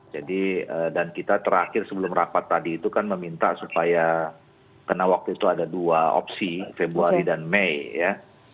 jadi dan kita terakhir sebelum rapat tadi itu kan meminta supaya karena waktu itu ada dua opsi februari dan mei ya